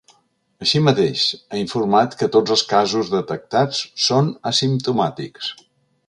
Així mateix, ha informat que tots els casos detectats són asimptomàtics.